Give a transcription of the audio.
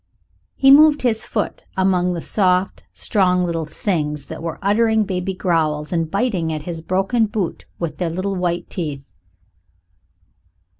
He moved his foot among the soft, strong little things that were uttering baby growls and biting at his broken boot with their little white teeth.